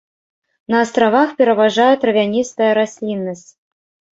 На астравах пераважае травяністая расліннасць.